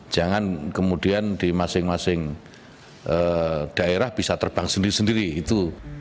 jangan kemudian di masing masing daerah bisa terbang sendiri sendiri itu